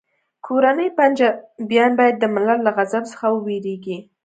کورني پنجابیان باید د ملت له غضب څخه وویریږي